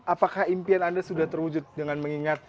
apakah impian anda sudah terwujud dengan mengenyam pendidikan